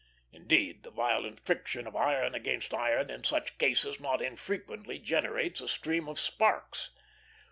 Indeed, the violent friction of iron against iron in such cases not infrequently generates a stream of sparks.